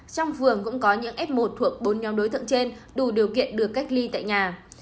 trong vườn cũng có những f một thuộc bốn nhóm đối tượng trên đủ điều kiện được cách ly tại nhà